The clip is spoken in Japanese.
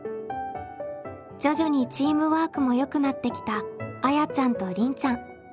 徐々にチームワークもよくなってきたあやちゃんとりんちゃん。